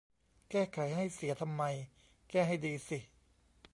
แก้ไขให้เสียทำไม แก้ให้ดีสิ